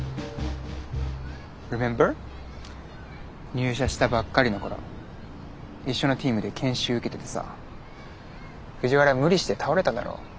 入社したばっかりの頃一緒のｔｅａｍで研修受けててさ藤原無理して倒れただろ。